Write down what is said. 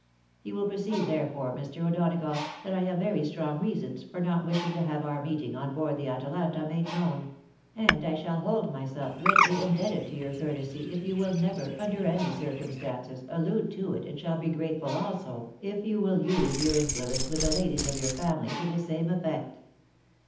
You will perceive, therefore, Mr. O'Donagough, that I have very strong reasons for not wishing to have our meeting on board the Ata lanta made known ; and I shall hold myself greatly indebted to your courtesy, if you will never, under any circumstances, allude to it, and shall be grateful, also, if you will use your influence with the ladies of your family to the same effect."